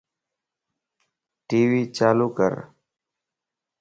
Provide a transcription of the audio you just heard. ٽي وي چالو ڪر